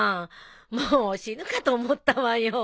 もう死ぬかと思ったわよ。